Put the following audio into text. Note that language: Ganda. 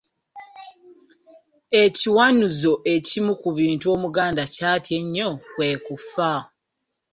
Ekiwanuuzo ekimu ku bintu Omuganda kyatya ennyo kwe kufa.